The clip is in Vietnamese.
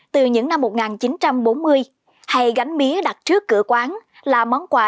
từ những năm một nghìn chín trăm bốn mươi hay gánh mía đặt trước cửa quán là món quà